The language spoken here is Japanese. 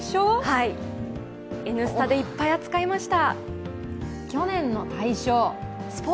「Ｎスタ」でいっぱい扱いました。